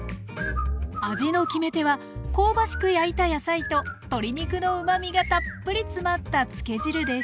味の決め手は香ばしく焼いた野菜と鶏肉のうまみがたっぷり詰まったつけ汁です。